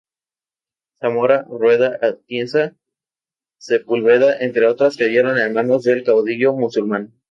Zamora, Rueda, Atienza, Sepúlveda entre otras cayeron en manos del caudillo musulmán.